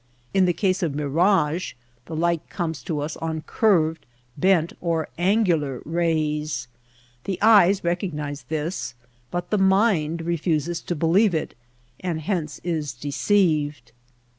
In the case of mirage the light comes to us on curved, bent, or angular rays. The eyes recog nize this, but the mind refuses to believe it and hence is deceived.